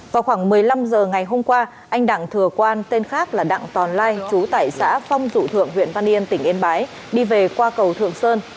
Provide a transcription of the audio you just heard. vào khoảng một mươi năm h ngày hôm qua anh đặng thừa quan tên khác là đặng tòn lai trú tại xã phong dụ thượng huyện văn yên tỉnh yên bái đi về qua cầu thượng sơn